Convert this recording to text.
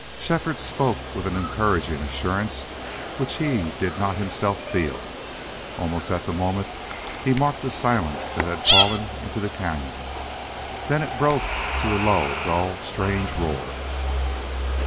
Shefford spoke with an encouraging assurance which he did not himself feel. Almost at the moment he marked a silence that had fallen into the cañon; then it broke to a low, dull, strange roar.